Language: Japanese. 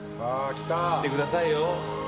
来てくださいよ。